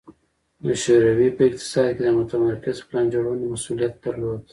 د شوروي په اقتصاد کې د متمرکزې پلان جوړونې مسوولیت درلود